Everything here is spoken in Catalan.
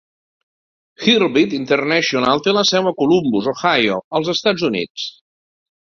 Heartbeat International té la seu a Columbus, Ohio, als Estats Units.